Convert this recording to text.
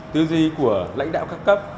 tư duy của lãnh đạo các cấp